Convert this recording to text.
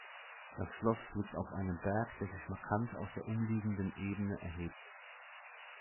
Das Schloss liegt auf einem Berg, der sich markant aus der umliegenden Ebene erhebt.